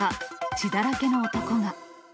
血だらけの男が。